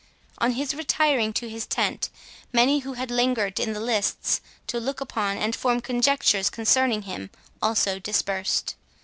On his retiring to his tent, many who had lingered in the lists, to look upon and form conjectures concerning him, also dispersed.